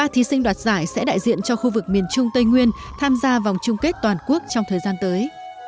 ba thí sinh đoạt giải sẽ đại diện cho khu vực miền trung tây nguyên tham gia vòng chung kết toàn quốc trong thời gian tới